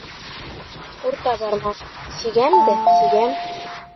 Урта бармаҡ: «Сигәм дә сигәм»